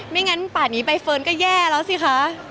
ไม่งั้นป่านนี้ใบเฟิร์นก็แย่แล้วสิคะ